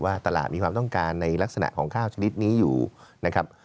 ตลาดมีความต้องการในลักษณะของข้าวชนิดนี้อยู่นะครับ